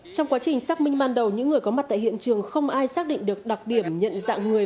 trong quá trình xác minh ban đầu những người có mặt tại hiện trường không ai xác định được đặc điểm nhận dạng người